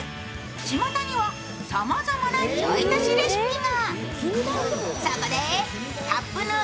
ちまたには、さまざまなちょい足しレシピが。